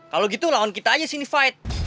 kalau gitu lawan kita aja sini fight